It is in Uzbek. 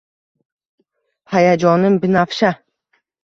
Hayajonim binafsha